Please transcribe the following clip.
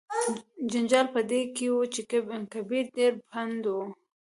جنجال په دې کې و چې کبیر ډیر پنډ و.